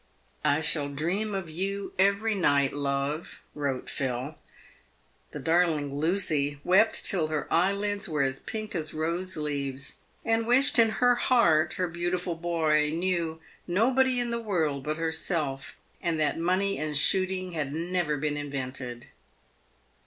" I shall dream of you every night, love," wrote Phil. The darling Lucy wept till her eyelids were as pink as rose leaves, and wished in her heart her beautiful boy knew nobody in the world but herself, and that money and shooting had never been invented.